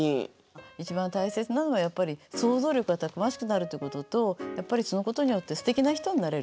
一番大切なのはやっぱり想像力がたくましくなるということとやっぱりそのことによってすてきな人になれる。